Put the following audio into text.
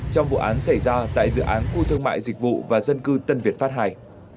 trong vụ án xảy ra tại dự án khu thương mại dịch vụ và dân cư tân việt pháp ii